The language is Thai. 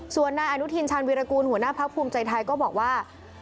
ส่วนนายอนุทินชาญวิรากูลหัวหน้าพักภูมิใจไทยก็บอกว่า